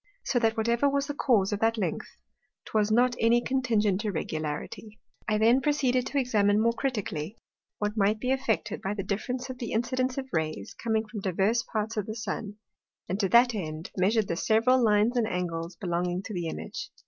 So that whatever was the cause of that length, 'twas not any contingent Irregularity. I then proceeded to examine more critically, what might be effected by the difference of the incidence of Rays coming from divers parts of the Sun; and to that end, measur'd the several Lines and Angles belonging to the Image.